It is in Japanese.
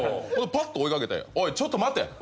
パッと追い掛けて「おいちょっと待て！」